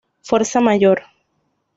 Fuerza mayor.